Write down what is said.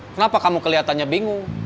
kenapa kamu keliatannya bingung